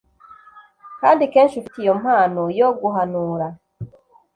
kandi kenshi ufite iyo mpano yo guhanura